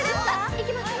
いきます